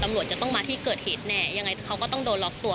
จะต้องมาที่เกิดเหตุแน่ยังไงเขาก็ต้องโดนล็อกตัว